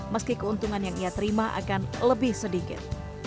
meski keuntungan yang ia terima akan lebih sedikit